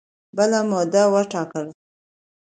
بله موده وټاکله